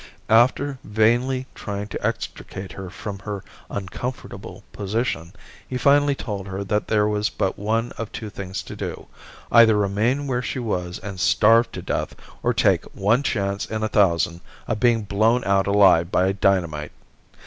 After vainly trying to extricate her from her uncomfortable position he finally told her that there was but one of two things to do, either remain where she was and starve to death or take one chance in a thousand of being blown out alive by dynamite.